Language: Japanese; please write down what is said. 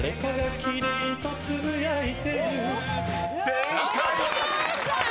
［正解！］